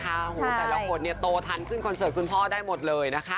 โอ้โหแต่ละคนเนี่ยโตทันขึ้นคอนเสิร์ตคุณพ่อได้หมดเลยนะคะ